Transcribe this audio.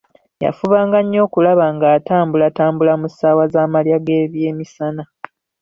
Yafubanga nnyo okulaba ng'atambulatambulamu mu ssaawa za malya g'ebyemisana.